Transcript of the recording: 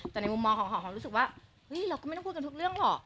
แต่ในมุมมองของหอมหอมรู้สึกว่าเฮ้ยเราก็ไม่ต้องพูดกันทุกเรื่องหรอก